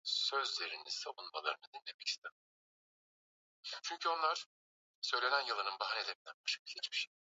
malaria inaweza kusababisha mama mjamzito kujifungua mtoto aliyekufa